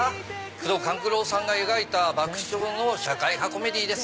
宮藤官九郎さんが描いた爆笑の社会派コメディーです。